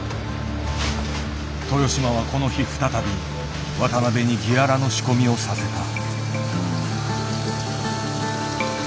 豊島はこの日再び渡辺にギアラの仕込みをさせた。